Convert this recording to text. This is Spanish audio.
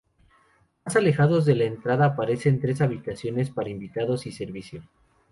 Más alejados de la entrada aparecen tres habitaciones para invitados y servicio.